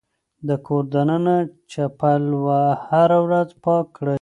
د کور دننه چپل هره ورځ پاک کړئ.